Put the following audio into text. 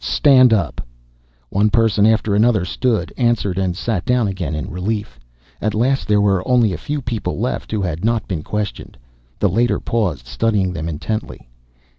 Stand up!" One person after another stood, answered, and sat down again in relief. At last there were only a few people left who had not been questioned. The Leiter paused, studying them intently.